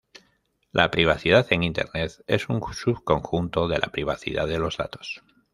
La privacidad en Internet es un subconjunto de la privacidad de los datos.